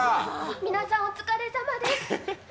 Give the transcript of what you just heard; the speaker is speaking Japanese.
皆さん、お疲れさまです